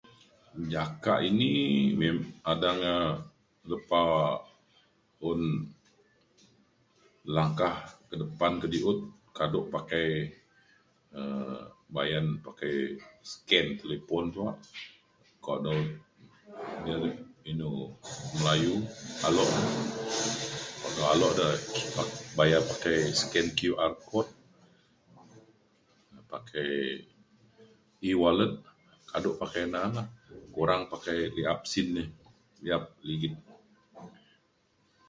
jakak ini me- adang ia’ lepa un langkah kedepan kedi’ut kado pakai um bayan pakai scan talipon tuak kuak dau inu Melayu alok [unintelligible] bayar pakai scan pakai QR code pakai E-wallet kado pakai na lah kurang pakai liap sin ni liap ligit.